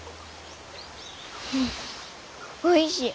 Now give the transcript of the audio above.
おいしい。